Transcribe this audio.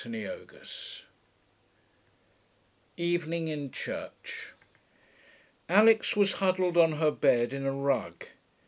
CHAPTER X EVENING IN CHURCH 1 Alix was huddled on her bed in a rug.